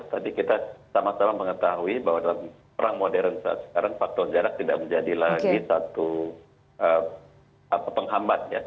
tadi kita sama sama mengetahui bahwa dalam perang modern saat sekarang faktor jarak tidak menjadi lagi satu penghambat ya